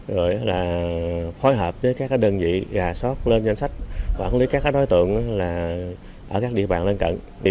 rồi là phối hợp với các đơn vị gà sót lên danh sách quản lý các đối tượng ở các địa bàn lân cận